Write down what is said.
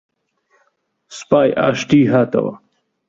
سوپای ئاشتی هاتەوە